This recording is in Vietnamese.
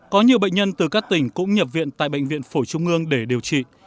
có nhiều bệnh nhân từ các tỉnh cũng nhập viện tại bệnh viện phổi trung ương để điều trị